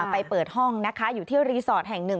ไปเปิดห้องนะคะอยู่ที่รีสอร์ทแห่งหนึ่ง